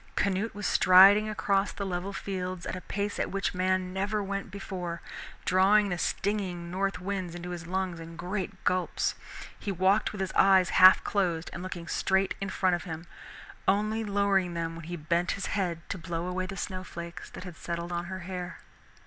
Canute was striding across the level fields at a pace at which man never went before, drawing the stinging north winds into his lungs in great gulps. He walked with his eyes half closed and looking straight in front of him, only lowering them when he bent his head to blow away the snow flakes that settled on her hair.